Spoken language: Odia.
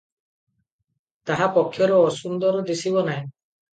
ତାହା ପକ୍ଷରେ ଅସୁନ୍ଦର ଦିଶିବ ନାହିଁ ।